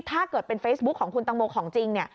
ถ้าเกิดเป็นเฟซบุ๊คของคุณตังโมของจริง